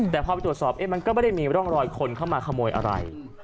แต่พอไปตรวจสอบมันก็ไม่ได้มีร่องรอยคนเข้ามาขโมยอะไร